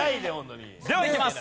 ではいきます。